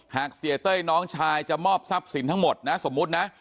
หากเสียเต้ยน้องชายจะมอบทรัพย์สินทั้งหมดนะสมมุตินะ